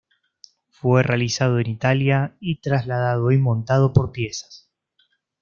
Fue realizado en Italia y trasladado y montado por piezas.